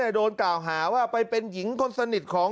การนอนไม่จำเป็นต้องมีอะไรกัน